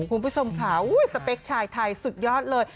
คุณผู้ชมค่ะสเปคชายไทยสุดยอดเลย